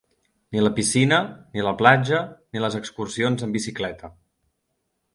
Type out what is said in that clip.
Ni la piscina, ni la platja, ni les excursions en bicicleta.